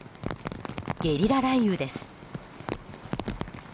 ゲリラ雷雨です。